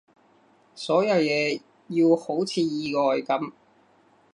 所有嘢要好似意外噉